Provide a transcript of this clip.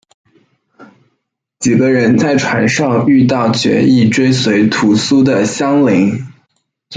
几人在船上遇到决意追随屠苏的襄铃。